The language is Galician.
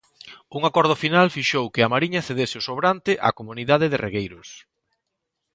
Un acordo final fixou que a Mariña cedese o sobrante á comunidade de regueiros.